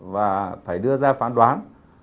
và phải đưa ra phán đoán